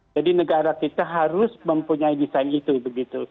jadi negara kita harus mempunyai desain itu begitu